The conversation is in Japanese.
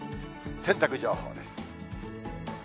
洗濯情報です。